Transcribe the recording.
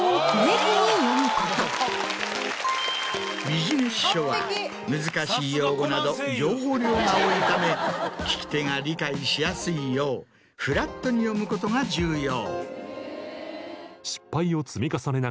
ビジネス書は難しい用語など情報量が多いため聴き手が理解しやすいようフラットに読むことが重要。